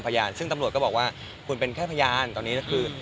พยานซึ่งตำรวจก็บอกว่าคุณเป็นแค่พยานตอนนี้ก็คือ